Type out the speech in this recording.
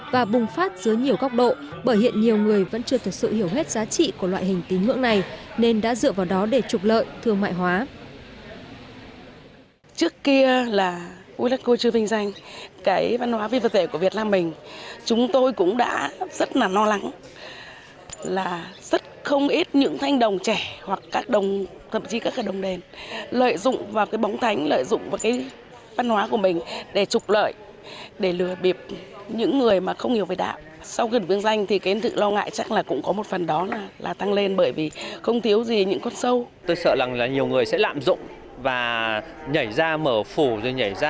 và bùng phát dưới nhiều góc độ bởi hiện nhiều người vẫn chưa thực sự hiểu hết giá trị của loại hình tín ngưỡng này